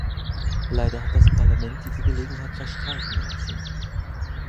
Leider hat das Parlament diese Gelegenheit verstreichen lassen.